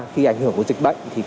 khi ảnh hưởng của dịch bệnh